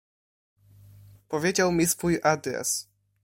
"Powiedział mi swój adres."